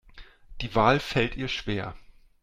Die Wahl fällt ihr schwer.